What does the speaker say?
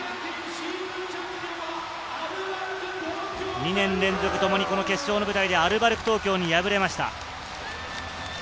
２年連続ともに決勝の舞台でアルバルク東京に敗れました。